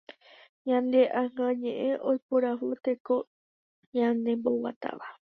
Ñane ãnga ñeʼẽ oiporavo teko ñanemboguatáva.